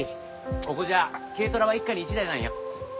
ここじゃ軽トラは一家に一台なんよ。